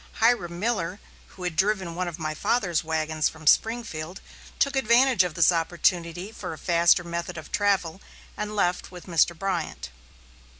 Hiram Miller, who had driven one of my father's wagons from Springfield, took advantage of this opportunity for a faster method of travel and left with Mr. Bryant.